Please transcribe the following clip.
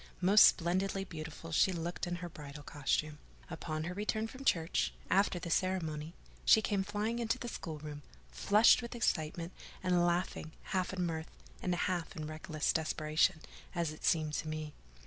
Most splendidly beautiful she looked in her bridal costume. Upon her return from church, after the ceremony, she came flying into the schoolroom, flushed with excitement, and laughing, half in mirth, and half in reckless desperation, as it seemed to me.